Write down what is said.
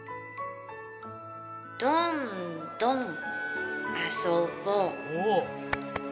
どんどんあそぼ。